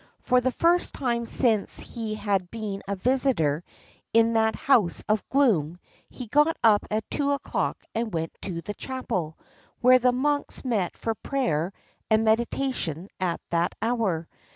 For the first time since he had been a visitor in that house of gloom he got up at two o'clock and went to the chapel, where the monks met for prayer and meditation at that hour.